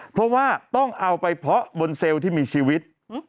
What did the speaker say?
เพราะว่าต้องเอาไปเพาะบนเซลล์ที่มีชีวิต